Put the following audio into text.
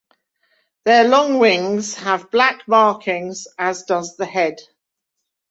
Their long wings have black markings, as does the head.